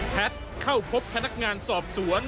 แพทย์เข้าพบพนักงานสอบสวน